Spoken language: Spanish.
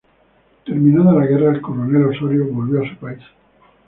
Terminada la guerra, el coronel Osorio volvió a su país.